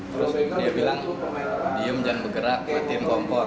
terus dia bilang diem jangan bergerak matiin kompor